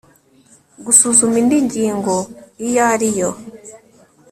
gusuzuma indi ngingo iyo ari yo